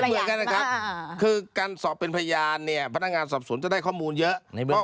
เหมือนกันนะครับคือการสอบเป็นพยานเนี่ยพนักงานสอบสวนจะได้ข้อมูลเยอะ